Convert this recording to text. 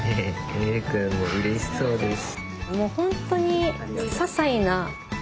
えるくんもうれしそうです。